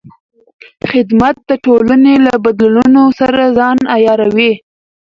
خدمت د ټولنې له بدلونونو سره ځان عیاروي.